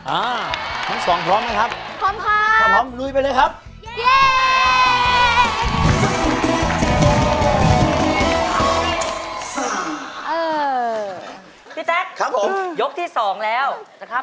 อ่าทั้งสองพร้อมไหมครับ